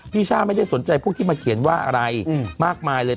ช่าไม่ได้สนใจพวกที่มาเขียนว่าอะไรมากมายเลย